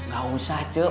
gak usah cuk